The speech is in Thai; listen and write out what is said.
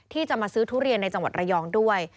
ที่จะมาซื้อทุเรียนในจังหวัดระยองด้วย